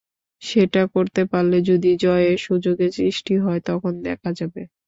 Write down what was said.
সেটা করতে পারলে যদি জয়ের সুযোগ সৃষ্টি হয়, তখন দেখা যাবে।